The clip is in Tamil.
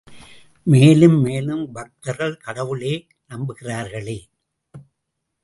மேலும் மேலும் பக்தர்கள் கடவுளே நம்புகிறார்களே!